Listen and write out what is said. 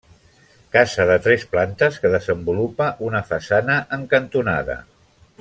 Casa de tres plantes que desenvolupa una façana en cantonada.